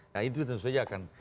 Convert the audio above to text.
nah itu tentu saja akan